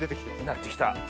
なってきた。